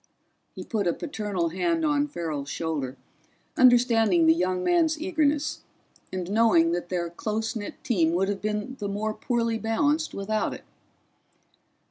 He put a paternal hand on Farrell's shoulder, understanding the younger man's eagerness and knowing that their close knit team would have been the more poorly balanced without it.